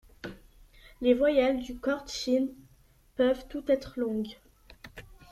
Les voyelles du khortchin peuvent toutes être longues.